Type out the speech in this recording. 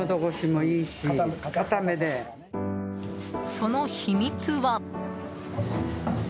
その秘密は。